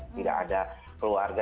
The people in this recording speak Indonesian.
tidak ada keluarga